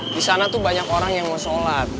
disana tuh banyak orang yang mau sholat